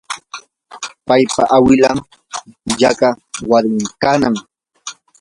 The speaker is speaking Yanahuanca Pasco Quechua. paypa awilan yaqa warmi kanaq.